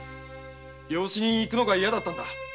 養子に行くのが嫌だったんだ。